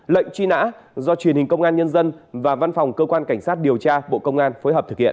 lệnh truy nã do truyền hình công an nhân dân và văn phòng cơ quan cảnh sát điều tra bộ công an phối hợp thực hiện